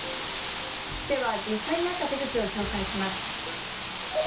では、実際にあった手口を紹介します。